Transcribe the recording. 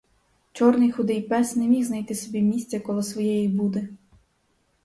Чорний худий пес не міг знайти собі місця коло своєї буди.